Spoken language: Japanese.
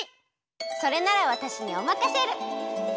それならわたしにおまかシェル！